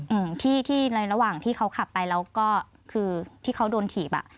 อืมที่ที่ในระหว่างที่เขาขับไปแล้วก็คือที่เขาโดนถีบอ่ะ